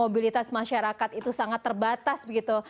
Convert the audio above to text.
mobilitas masyarakat itu sangat terbatas begitu